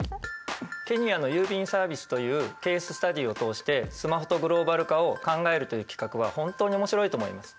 ケニアの郵便サービスというケーススタディーを通してスマホとグローバル化を考えるという企画は本当に面白いと思います。